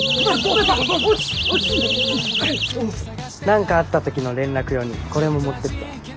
何かあった時の連絡用にこれも持ってって。